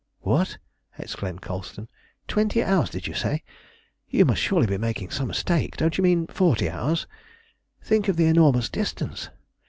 "What!" exclaimed Colston. "Twenty hours, did you say? You must surely be making some mistake. Don't you mean forty hours? Think of the enormous distance.